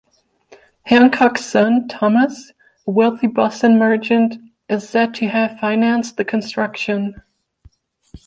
Hancock's son, Thomas, a wealthy Boston merchant, is said to have financed the construction.